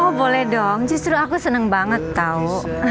oh boleh dong justru aku senang banget tau